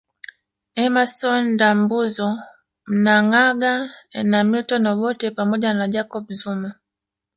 Emmason Ndambuzo Mnangagwa na Milton Obote pamoja na Jacob Zuma